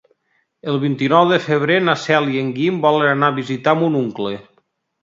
El vint-i-nou de febrer na Cel i en Guim volen anar a visitar mon oncle.